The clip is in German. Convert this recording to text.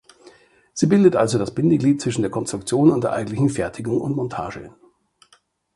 Sie bildet also das Bindeglied zwischen der Konstruktion und der eigentlichen Fertigung und Montage.